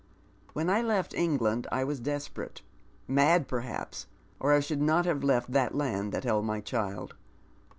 When I left England I was desperate — uiiid, perhaps, or I should not have left the land that held my cliild.